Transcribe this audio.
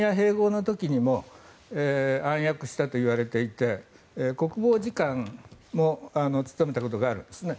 ２０１４年のクリミア併合の時にも暗躍したといわれていて国防次官も務めたことがあるんですね。